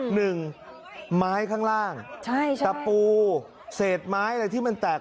หนึ่งไม้ข้างล่างตะปูเศษไม้อะไรที่มันแตก